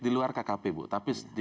di luar kkp bu tapi